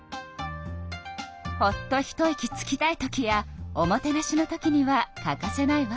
ほっと一息つきたいときやおもてなしのときには欠かせないわ。